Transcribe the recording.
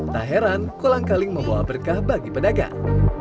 tak heran kolang kaling membawa berkah bagi pedagang